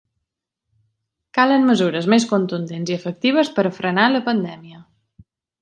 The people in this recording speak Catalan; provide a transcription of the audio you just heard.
Calen mesures més contundents i efectives per a frenar la pandèmia!